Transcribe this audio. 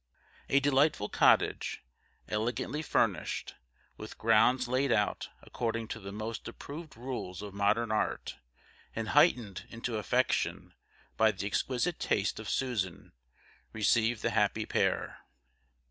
A delightful cottage, elegantly furnished, with grounds laid out according to the most approved rules of modern art, and heightened into affection by the exquisite taste of Susan, received the happy pair.